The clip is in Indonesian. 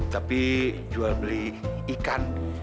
tapi jual beli ikan